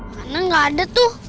mana gak ada tuh